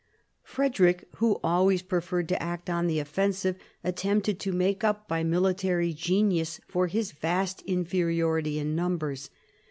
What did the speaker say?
Frederick, who always preferred to act on the offensive, attempted to make up by military genius for his vast inferiority in numbers.